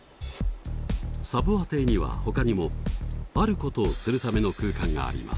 サヴォア邸にはほかにもあることをするための空間があります。